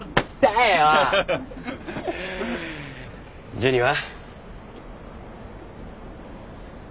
ジュニは？